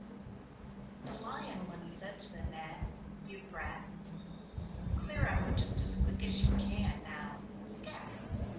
The Lion once said to the Gnat: "You brat, Clear out just as quick as you can, now s'cat!